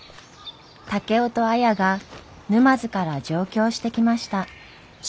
竹雄と綾が沼津から上京してきました。